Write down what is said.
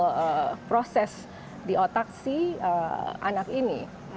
untuk proses di otak si anak ini